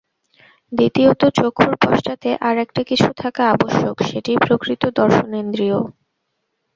দ্বিতীয়ত চক্ষুর পশ্চাতে আর একটা কিছু থাকা আবশ্যক, সেটিই প্রকৃত দর্শনেন্দ্রিয়।